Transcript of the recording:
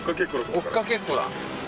追っかけっこだ。